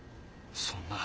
そんな。